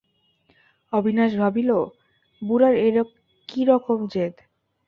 অবিনাশ ভাবিল, বুড়ার এ কী রকম জেদ।